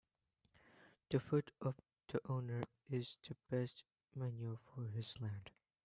The foot of the owner is the best manure for his land